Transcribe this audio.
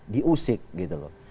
diusik gitu loh